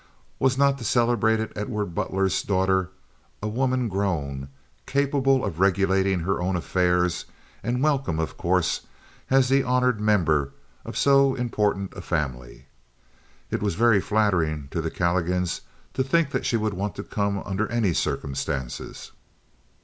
Was not the celebrated Edward Butler's daughter a woman grown, capable of regulating her own affairs, and welcome, of course, as the honored member of so important a family. It was very flattering to the Calligans to think that she would want to come under any circumstances.